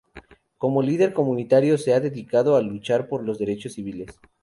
Como líder comunitario, se ha dedicado a la lucha por los derechos civiles.